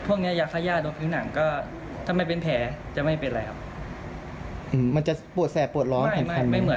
พวกนี้ยาขยาดวงผิวหนังก็